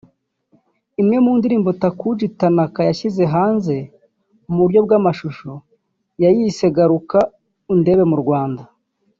Imwe mu ndirimbo Takuji Tanaka yashyize hanze mu buryo bw’amashusho yayise ‘Garuka undebe mu Rwanda’